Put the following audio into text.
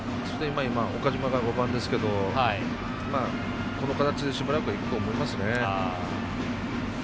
浅村、岡島が５番ですけどこの形でしばらくいくと思います。